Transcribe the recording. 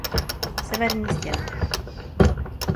Severní stěna.